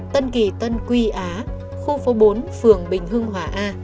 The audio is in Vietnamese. tân kỳ tân quy á khu phố bốn phường bình hưng hòa a